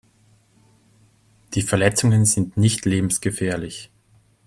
Die Verletzungen sind nicht lebensgefährlich.